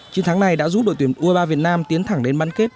chiến thắng này đã giúp đội tuyển u hai mươi ba việt nam tiến thẳng đến ban kết